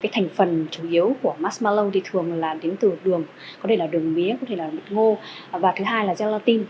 thành phần chủ yếu của marshmallow thì thường là đến từ đường có thể là đường mía có thể là bụi ngô và thứ hai là gelatin